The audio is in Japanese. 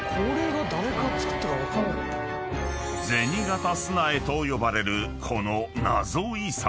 ［銭形砂絵と呼ばれるこのナゾ遺産］